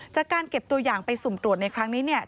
จากการเก็บตัวอย่างไปสุ่มตรวจในครั้งนี้เนี่ย